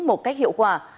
một cách hiệu quả